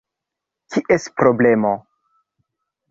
Kies problemo?